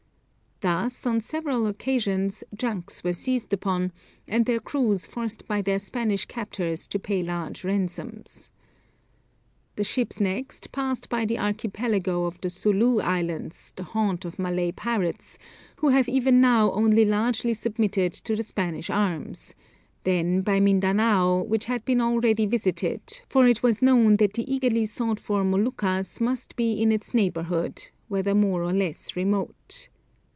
Thus, on several occasions, junks were seized upon, and their crews forced by their Spanish captors to pay large ransoms. The ships next passed by the Archipelago of the Sooloo Islands, the haunt of Malay pirates, who have even now only lately submitted to the Spanish arms; then by Mindanao, which had been already visited, for it was known that the eagerly sought for Moluccas must be in its neighbourhood, whether more or less remote.